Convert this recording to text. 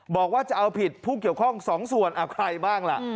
บอกว่าจะเอาผิดผู้เกี่ยวข้อง๒ส่วนใครบ้างล่ะ